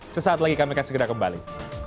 sesaat lagi kami akan segera kembali